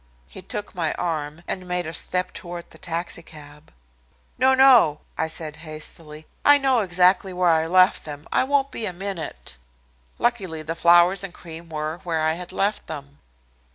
He took my arm and made a step toward the taxicab. "No, no," I said hastily. "I know exactly where I left them. I won't be a minute." Luckily the flowers and cream were where I had left them.